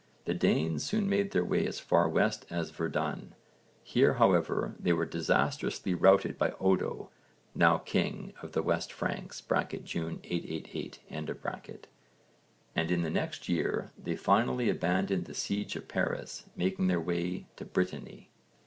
The Danes soon made their way as far west as Verdun. Here however they were disastrously defeated by Odo, now king of the West Franks (June 888), and in the next year they finally abandoned the siege of Paris making their way to Brittany.